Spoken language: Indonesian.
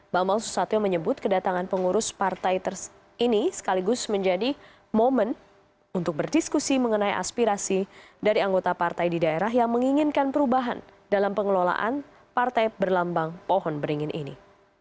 bambang susatyo menyebut kedatangan pengurus partai ini sekaligus menjadi momen untuk berdiskusi mengenai aspirasi dari anggota partai di daerah yang menginginkan perubahan dalam pengelolaan partai berlambang pohon beringin ini